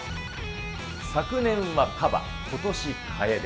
昨年はカバ、ことし、かえで。